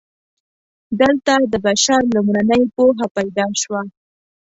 دلته د بشر لومړنۍ پوهه پیدا شوه.